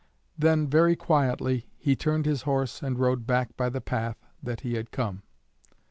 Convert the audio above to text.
Then, very quietly, he turned his horse and rode back by the path that he had come.